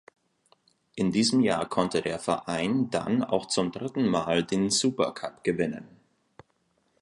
In diesem Jahr konnte der Verein dann auch zum dritten Mal den Supercup gewinnen.